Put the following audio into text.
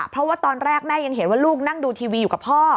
เพราะว่าตอนแรกแม่ยังเห็นว่าลูกนั่งดูทีวีอยู่กับพ่อ